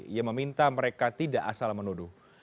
ia meminta mereka tidak asal menuduh